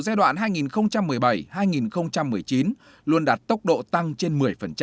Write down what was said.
giai đoạn hai nghìn một mươi bảy hai nghìn một mươi chín luôn đạt tốc độ tăng trên một mươi